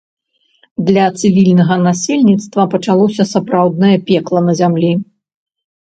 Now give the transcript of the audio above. Для цывільнага насельніцтва пачалося сапраўднае пекла на зямлі.